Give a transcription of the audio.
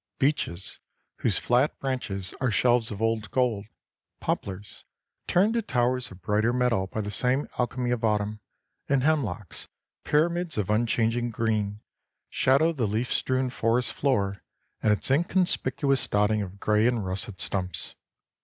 Beeches, whose flat branches are shelves of old gold; poplars, turned to towers of brighter metal by the same alchemy of autumn; and hemlocks, pyramids of unchanging green, shadow the leaf strewn forest floor and its inconspicuous dotting of gray and russet stumps.